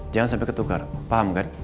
jangan sampai ketukar paham kan